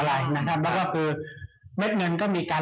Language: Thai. ยังไม่ถึงเวลา